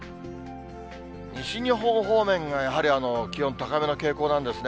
西日本方面が、やはり気温高めの傾向なんですね。